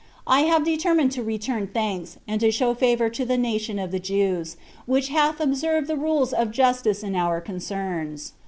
I have determined to return thanks, and to show favor to the nation of the Jews, which hath observed the rules of justice in our concerns.